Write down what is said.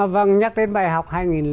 vâng nhắc đến bài học hai nghìn tám